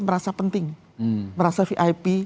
merasa penting merasa vip